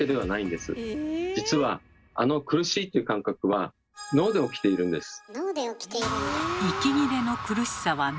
実はあの「苦しい」という感覚は脳で起きているんです。